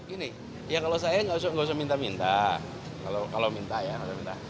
gini ya kalau saya nggak usah minta minta kalau minta ya nggak minta